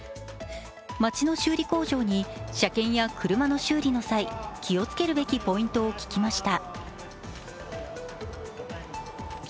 町の修理工場に車検や車の修理の際気をつけるべきポイントを聞きました。